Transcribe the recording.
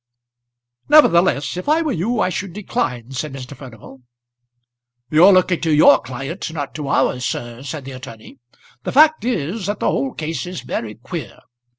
"Nevertheless, if I were you, I should decline," said Mr. Furnival. "You're looking to your client, not to ours, sir," said the attorney. "The fact is that the whole case is very queer.